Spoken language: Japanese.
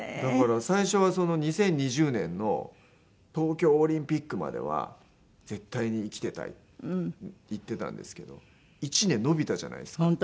だから最初は２０２０年の東京オリンピックまでは絶対に生きてたいって言ってたんですけど１年延びたじゃないですか。